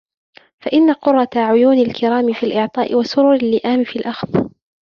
فَإِنَّ قُرَّةَ عُيُونِ الْكِرَامِ فِي الْإِعْطَاءِ وَسُرُورَ اللِّئَامِ فِي الْأَخْذِ